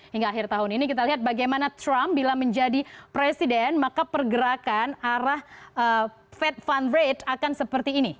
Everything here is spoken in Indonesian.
hingga akhir tahun ini kita lihat bagaimana trump bila menjadi presiden maka pergerakan arah fed fund rate akan seperti ini